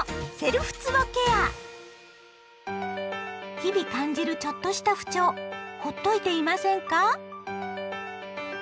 日々感じるちょっとした不調ほっといていませんか？